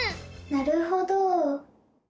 なるほど！